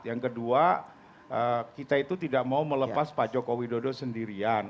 yang kedua kita itu tidak mau melepas pak joko widodo sendirian